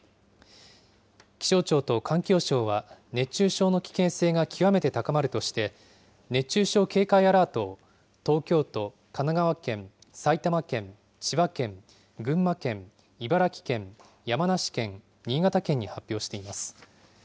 気象庁と環境省は熱中症の危険性が極めて高まるとして、熱中症警戒アラートを、東京都、神奈川県、埼玉県、千葉県、群馬県、茨城県、山梨県、新潟県に発表しています。